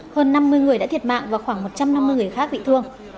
hơn năm mươi người đã thiệt mạng và khoảng một trăm năm mươi người khác bị thương